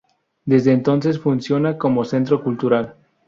Desde entonces funciona como centro cultural.